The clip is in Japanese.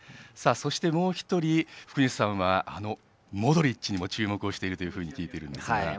もう１人、福西さんはモドリッチにも注目をしていると聞いているんですが。